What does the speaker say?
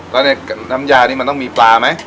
แล้วในน้ำยานี่มันต้องมีปลาไหม